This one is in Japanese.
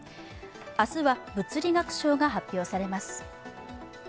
明日は、物理学賞が発表されます。